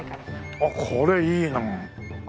あっこれいいなあ。